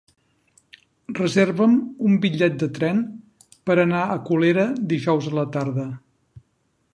Reserva'm un bitllet de tren per anar a Colera dijous a la tarda.